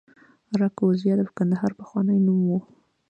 اراکوزیا د کندهار پخوانی نوم و